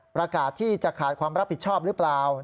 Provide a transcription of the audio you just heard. ประกาศที่จะขาดความรับผิดชอบหรือเปล่า